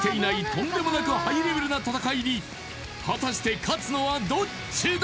とんでもなくハイレベルな戦いに果たして勝つのはどっちだ？